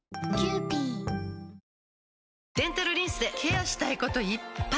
デンタルリンスでケアしたいこといっぱい！